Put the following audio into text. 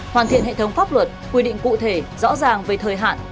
hoàn thiện hệ thống pháp luật quy định cụ thể rõ ràng về thời hạn